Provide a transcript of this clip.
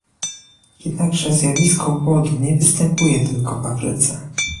Jednakże zjawisko głodu nie występuje tylko w Afryce